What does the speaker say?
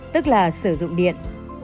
tức là sử dụng điện